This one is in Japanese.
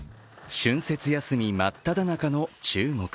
春節休み真っただ中の中国。